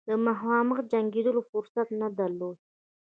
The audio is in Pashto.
د مخامخ جنګېدلو فرصت نه درلود.